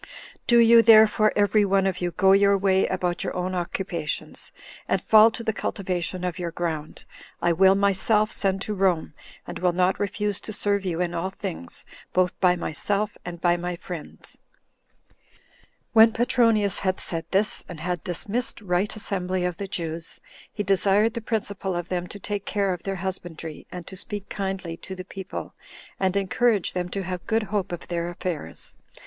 Do you, therefore, every one of you, go your way about your own occupations, and fall to the cultivation of your ground; I will myself send to Rome, and will not refuse to serve you in all things, both by myself and by my friends." 6. When Petronius had said this, and had dismissed the assembly of the Jews, he desired the principal of them to take care of their husbandry, and to speak kindly to the people, and encourage them to have good hope of their affairs.